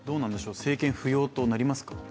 政権浮揚となりますか？